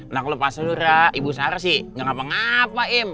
nah kalau pas seluruh ibu sarah sih enggak ngapa ngapa im